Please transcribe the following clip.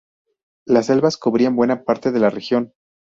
Las selvas cubrían buena parte de la región.